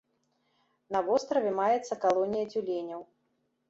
На востраве маецца калонія цюленяў.